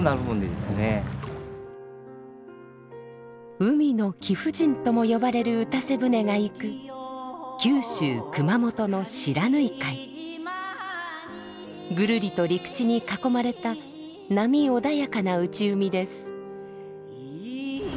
「海の貴婦人」とも呼ばれるうたせ船が行く九州熊本のぐるりと陸地に囲まれた波穏やかな内海です。